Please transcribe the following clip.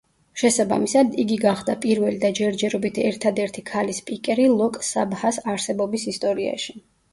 შესაბამისად იგი გახდა პირველი და ჯერჯერობით ერთადერთი ქალი სპიკერი ლოკ-საბჰას არსებობის ისტორიაში.